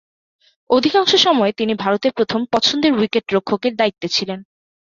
অধিকাংশ সময়েই তিনি ভারতের প্রথম পছন্দের উইকেট-রক্ষকের দায়িত্বে ছিলেন।